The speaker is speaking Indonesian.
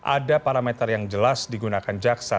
ada parameter yang jelas digunakan jaksa